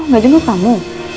oh gak jenguk kamu